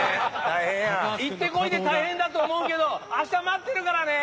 行ってこいで大変だと思うけど、あした待ってるからね。